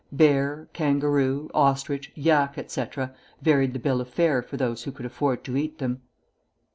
Bear, kangaroo, ostrich, yak, etc., varied the bill of fare for those who could afford to eat them.